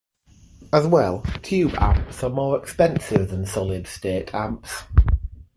As well, tube amps are more expensive than solid state amps.